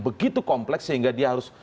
begitu kompleks sehingga dia harus